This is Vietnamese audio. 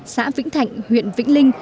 xã vĩnh thạnh huyện vĩnh linh